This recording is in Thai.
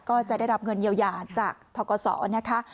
ก็จะได้รับเงินเยียวยาจากทกศนะคะ